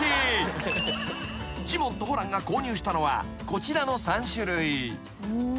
［ジモンとホランが購入したのはこちらの３種類］